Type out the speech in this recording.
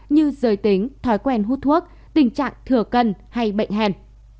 như giới tính thói quen hút thuốc tình trạng thừa cân hay bệnh hèn